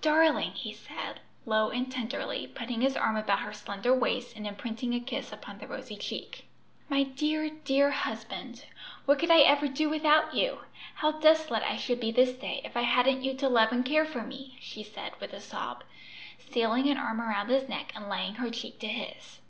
"Darling!" he said, low and tenderly, putting his arm about her slender waist and imprinting a kiss upon the rosy cheek. "My dear, dear husband! what could I ever do without you; how desolate I should be this day, if I hadn't you to love and care for me!" she said with a sob, stealing an arm around his neck and laying her cheek to his.